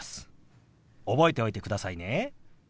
覚えておいてくださいね。